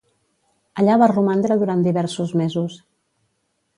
Allà va romandre durant diversos mesos.